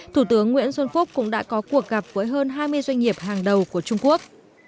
thủ tướng nguyễn xuân phúc cũng đã có cuộc gặp với hơn hai mươi doanh nghiệp hàng đầu của trung quốc